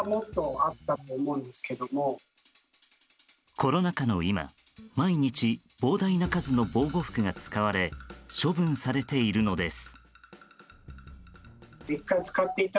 コロナ禍の今毎日、膨大な数の防護服が使われ処分されているのです。